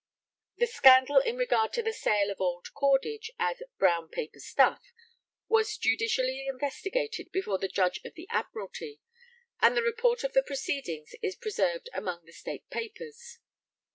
] The scandal in regard to the sale of old cordage as 'brown paper stuff' was judicially investigated before the Judge of the Admiralty, and the report of the proceedings is preserved among the State Papers.